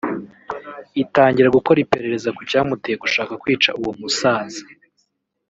itangira gukora iperereza ku cyamuteye gushaka kwica uwo musaza